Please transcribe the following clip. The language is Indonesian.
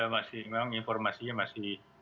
memang informasinya masih